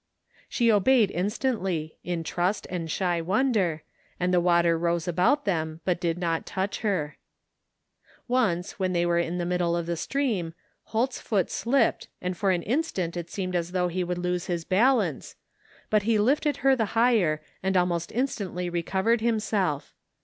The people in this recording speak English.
She obeyed instantly, in trust and shy wonder, and the water rose about them, but did not touch her. Once, when they were in the middle of the stream, Holt's foot slipped and for an instant it seemed as though he would lose his balance, but he lifted her the higher and almost instantly recovered himself.